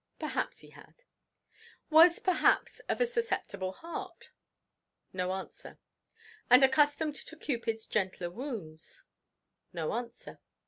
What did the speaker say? Perhaps he had. Was, perhaps, of a susceptible heart? No answer. And accustomed to Cupid's gentler wounds? No answer.